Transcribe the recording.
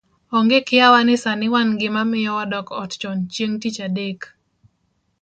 Onge kiawa ni sani wan gi mamiyo wadokga ot chon chieng' tich adek